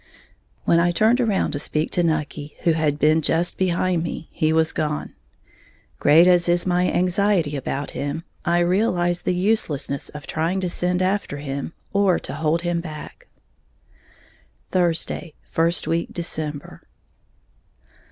When I turned around to speak to Nucky, who had been just behind me, he was gone. Great as is my anxiety about him, I realize the uselessness of trying to send after him, or to hold him back. _Thursday, first week December.